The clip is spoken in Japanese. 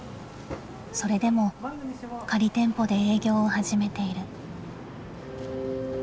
それでも仮店舗で営業を始めている。